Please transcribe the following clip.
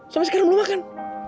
sampai sekarang belum makan